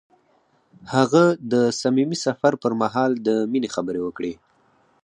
هغه د صمیمي سفر پر مهال د مینې خبرې وکړې.